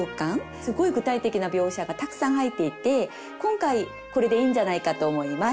すごい具体的な描写がたくさん入っていて今回これでいいんじゃないかと思います。